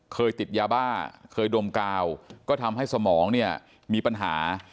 เคยติดยาบ้าเคยดมกาวก็ทำให้สมองเนี่ยมีปัญหา